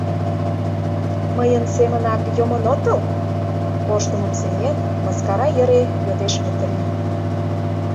— Мыйын семынак йомын отыл? — корштымым сеҥен, мыскара йӧре йодеш Метрий.